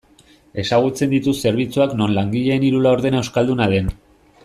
Ezagutzen ditut zerbitzuak non langileen hiru laurdena euskalduna den.